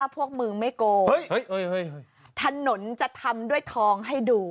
พวกมึงไม่โกงถนนจะทำด้วยทองให้ดู